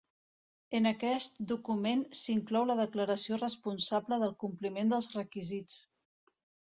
En aquest document s'inclou la declaració responsable del compliment dels requisits.